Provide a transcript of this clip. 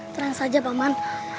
tenang saja paman